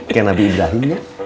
kayak nabi ibrahim ya